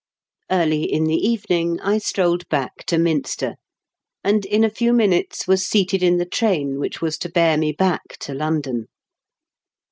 Early in the evening I strolled back to Minster, and in a few minutes was seated in the train which was to bear me back to London.